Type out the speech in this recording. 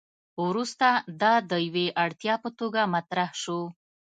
وروسته دا د یوې اړتیا په توګه مطرح شو.